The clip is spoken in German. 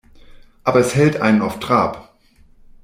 Aber es hält einen auf Trab.